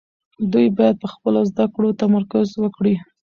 دوی باید په خپلو زده کړو تمرکز وکړي.